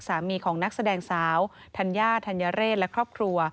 ของนักแสดงสาวธัญญาธัญเรศและครอบครัว